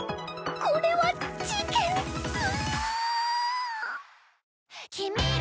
これは事件っス！